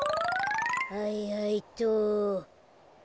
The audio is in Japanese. はいはいっと。